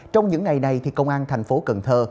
trong những ngày này thì công an thành phố cần thơ